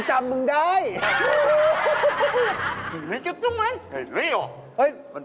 คุณพ่ออยู่หลายไหนด้วย